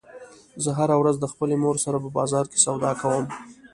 زه هره ورځ د خپلې مور سره په بازار کې سودا کوم